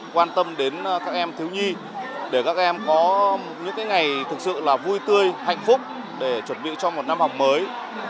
quan tâm đến các em thiếu nhi để các em có những ngày thực sự là vui tươi hạnh phúc để chuẩn bị cho một năm học mới